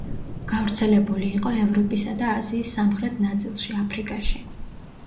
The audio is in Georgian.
გავრცელებული იყო ევროპისა და აზიის სამხრეთ ნაწილში, აფრიკაში.